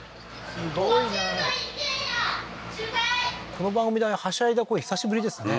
この番組ではしゃいだ声久しぶりですね